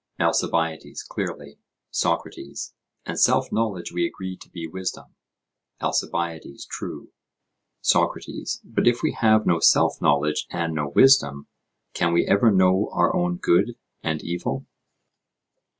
ALCIBIADES: Clearly. SOCRATES: And self knowledge we agree to be wisdom? ALCIBIADES: True. SOCRATES: But if we have no self knowledge and no wisdom, can we ever know our own good and evil?